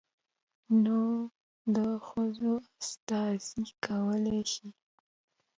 نود ښځو استازي کولى شي.